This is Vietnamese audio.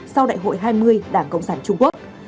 sau đại hội hai mươi đảng cộng sản trung quốc